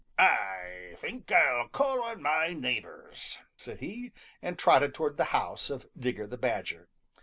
"I think I'll call on my neighbors," said he, and trotted towards the house of Digger the Badger.